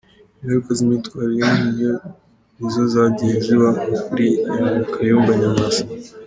Ingaruka z’imyatwarire nk’iyo nizo zagiye ziba nko kuri Kayumba Nyamwasa.